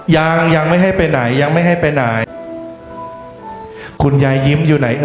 ยังยังไม่ให้ไปไหนยังไม่ให้ไปไหนคุณยายยิ้มอยู่ไหน